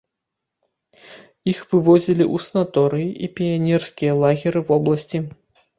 Іх вывозілі ў санаторыі і піянерскія лагеры вобласці.